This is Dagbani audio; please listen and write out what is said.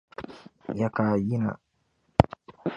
Ya ka a yina?